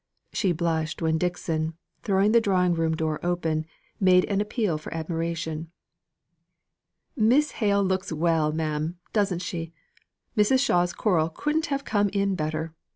She blushed when Dixon, throwing the drawing room door open, made an appeal for admiration. "Miss Hale looks well, ma'am, doesn't she? Mrs. Shaw's coral couldn't have come in better.